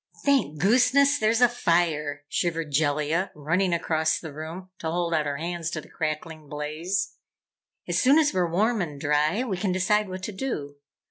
"Thank gooseness, there's a fire!" shivered Jellia, running across the room to hold out her hands to the crackling blaze. "As soon as we're warm and dry we can decide what to do.